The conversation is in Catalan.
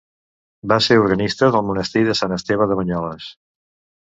Va ser organista del monestir de Sant Esteve de Banyoles.